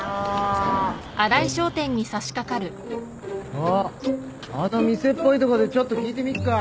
あっあの店っぽいとこでちょっと聞いてみっか。